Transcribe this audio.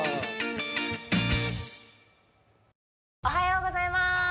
おはようございます